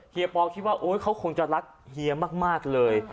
เฮียปอล์คิดว่าเขาคงจะรักเฮียมากเลย